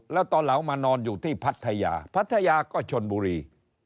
แล้วตอนหลังมานอนอยู่ที่พัทยาพัทยาก็ชนบุรี